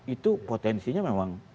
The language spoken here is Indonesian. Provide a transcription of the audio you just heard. itu potensinya memang